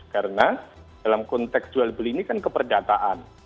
karena dalam konteks jual beli ini kan keperdataan